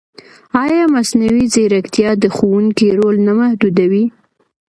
ایا مصنوعي ځیرکتیا د ښوونکي رول نه محدودوي؟